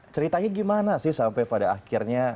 ceritanya gimana sih sampai pada akhirnya